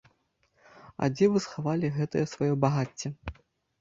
А дзе вы схавалі гэтае сваё багацце?